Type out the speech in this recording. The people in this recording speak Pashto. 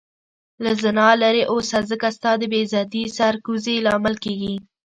له زنا لرې اوسه ځکه ستا د بی عزتي سر کوزي لامل کيږې